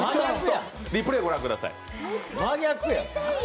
リプレーをご覧ください。